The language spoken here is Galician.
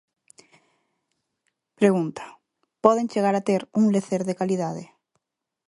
Pregunta: poden chegar a ter un lecer de calidade?